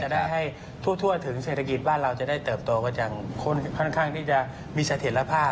ได้ให้ทั่วถึงเศรษฐกิจบ้านเราจะได้เติบโตกันอย่างค่อนข้างที่จะมีเสถียรภาพ